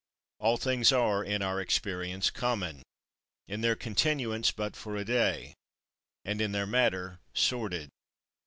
14. All things are, in our experience, common; in their continuance but for a day; and in their matter sordid.